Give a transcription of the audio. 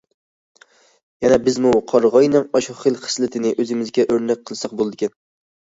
يەنى، بىزمۇ قارىغاينىڭ ئاشۇ خىل خىسلىتىنى ئۆزىمىزگە ئۆرنەك قىلساق بولىدىكەن.